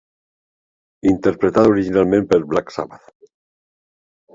Interpretada originalment per Black Sabbath.